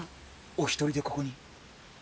お一人でここに？